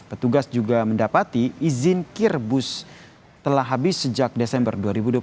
petugas juga mendapati izin kir bus telah habis sejak desember dua ribu dua puluh satu